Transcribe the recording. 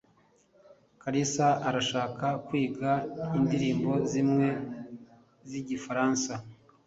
Kalisa arashaka kwiga indirimbo zimwe zigifaransa.